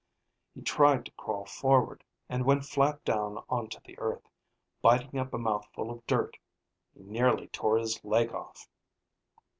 He tried to crawl forward, and went flat down onto the earth, biting up a mouthful of dirt. He nearly tore his leg off.